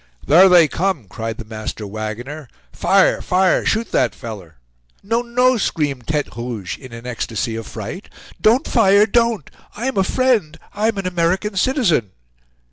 "Thar they come," cried the master wagoner, "fire, fire! shoot that feller." "No, no!" screamed Tete Rouge, in an ecstasy of fright; "don't fire, don't! I'm a friend, I'm an American citizen!"